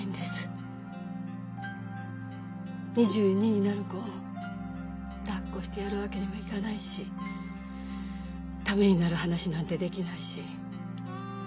２２になる子をだっこしてやるわけにもいかないしためになる話なんてできないし。